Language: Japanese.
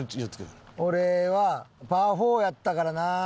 俺はパー４やったからな。